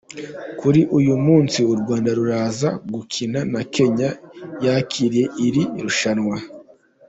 Kuri uyu munsi u Rwanda ruraza gukina na Kenya yakiriye iri rushanwa.